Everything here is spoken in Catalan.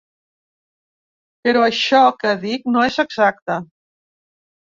Però això que dic no és exacte.